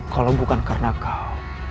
kalau bukan karena kau